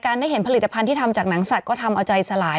ได้เห็นผลิตภัณฑ์ที่ทำจากหนังสัตว์ก็ทำเอาใจสลาย